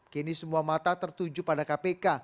kini semua mata tertuju pada kpk